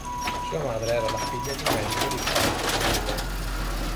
Sua madre era la figlia di un medico di Karlsruhe.